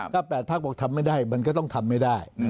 ถ้า๘พักบอกทำไม่ได้มันก็ต้องทำไม่ได้